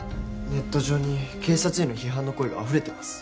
ネット上に警察への批判の声があふれてます